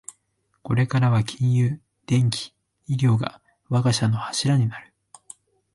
これからは金融、電機、医療が我が社の柱になる